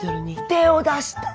手を出した？